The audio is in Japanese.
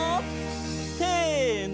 せの！